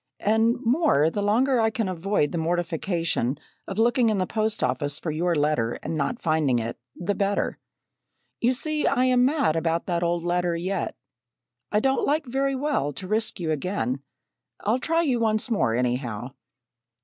And more, the longer I can avoid the mortification of looking in the post office for your letter, and not finding it, the better. You see I am mad about that old letter yet. I don't like very well to risk you again. I'll try you once more, anyhow."